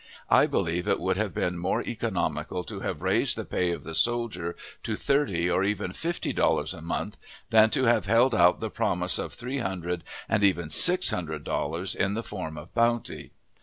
I believe it would have been more economical to have raised the pay of the soldier to thirty or even fifty dollars a month than to have held out the promise of three hundred and even six hundred dollars in the form of bounty.